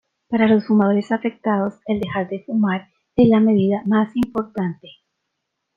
Para los fumadores afectados el dejar de fumar es la medida más importante.